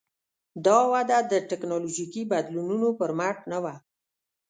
دا وده د ټکنالوژیکي بدلونونو پر مټ نه وه.